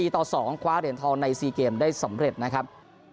ต่อ๒คว้าเหรียญทองใน๔เกมได้สำเร็จนะครับ